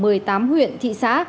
ở một mươi tám huyện thị xã